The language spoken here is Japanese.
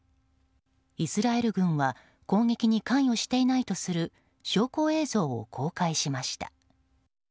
イスラエル軍は攻撃に関与していないとする証拠映像を公開しました。